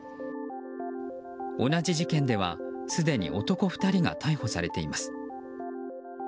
同じ事件ではすでに男２人が逮捕されています。